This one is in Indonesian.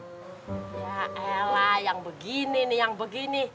ya ella yang begini nih yang begini